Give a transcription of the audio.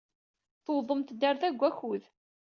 Tewwḍemt-d ɣer da deg wakud.